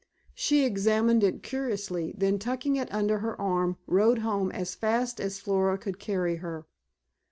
She examined it curiously, then tucking it under her arm rode home as fast as Flora could carry her.